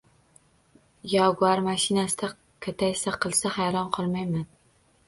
“Yaguar” mashinasida kataysa qilsa, hayron qolmayman.